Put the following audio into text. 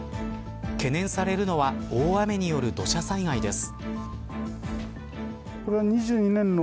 懸念されるのは大雨による土砂災害です。